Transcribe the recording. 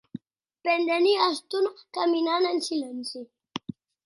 Pendent ua estona caminam en silenci.